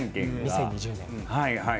２０２０年。